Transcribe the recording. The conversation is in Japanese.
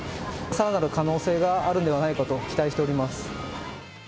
さらなる可能性があるのではないかと期待しております。